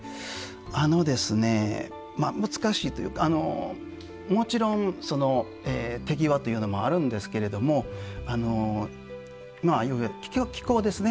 あのですね難しいというかもちろん手際というのもあるんですけれどもまあ気候ですね。